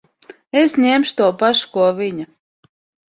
Es ņemšu to pašu, ko viņa.